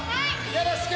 よろしく！